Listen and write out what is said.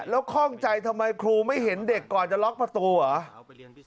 แล้วข้องใจทำไมครูไม่เห็นเด็กก่อนจะล็อกประตูเหรอ